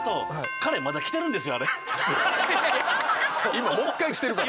今もう一回着てるから。